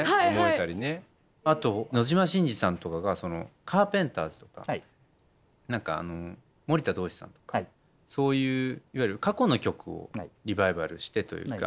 あと野島伸司さんとかがカーペンターズとか何か森田童子さんとかそういういわゆる過去の曲をリバイバルしてというか。